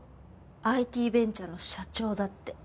ＩＴベンチャーの社長だって。